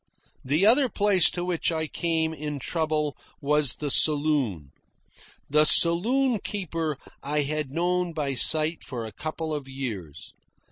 The other place to which I came in trouble was the saloon. This saloon keeper I had known by sight for a couple of years.